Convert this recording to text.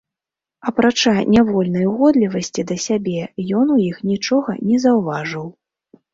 Апрача нявольнай угодлівасці да сябе, ён у іх нічога не заўважыў.